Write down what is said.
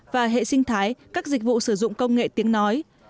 và hệ sinh thái các dịch vụ sử dụng công nghệ tiếng nói